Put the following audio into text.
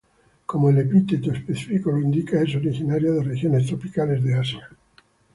Como el epíteto específico lo indica, es originaria de regiones tropicales de Asia.